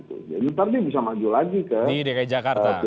jadi nanti dia bisa maju lagi ke pilkada